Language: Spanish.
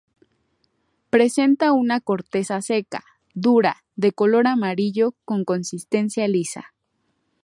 Presenta una corteza seca, dura, de color amarillo con consistencia lisa.